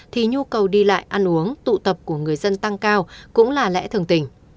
thì nhu cầu đi lại ăn uống tụ tập của người dân tăng cao cũng là lẽ thường tình